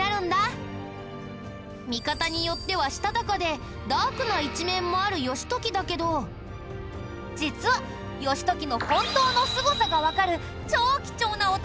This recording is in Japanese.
見方によってはしたたかでダークな一面もある義時だけど実は義時の本当のすごさがわかる超貴重なお宝があるんだ。